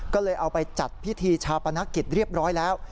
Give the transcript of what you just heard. ก็เลยเอาไปจัดพิธีชาปนกิจเรียบร้อยแล้ว